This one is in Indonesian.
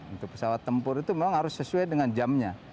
untuk pesawat tempur itu memang harus sesuai dengan jamnya